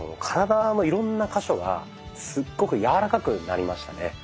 体のいろんな箇所がすっごく柔らかくなりましたね。